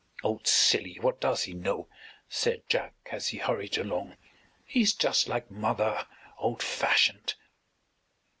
"Old silly, what does he know?" said Jack as he hurried along. "He is just like mother old fashioned."